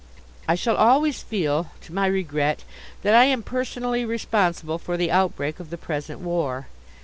I shall always feel, to my regret; that I am personally responsible for the outbreak of the present war.